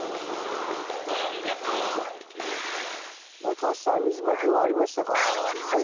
川瀬さん水まき終わりましたか？